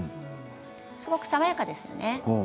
すごく爽やかですよね。